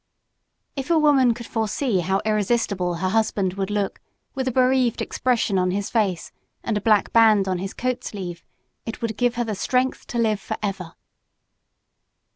If a woman could foresee how irresistible her husband would look with a bereaved expression on his face and a black band on his coat sleeve, it would give her the strength to live forever.